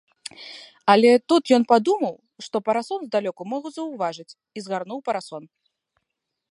Але тут ён падумаў, што парасон здалёку могуць заўважыць і згарнуў парасон.